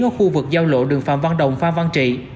ở khu vực giao lộ đường phạm văn đồng phan văn trị